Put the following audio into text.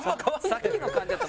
さっきの感じやと。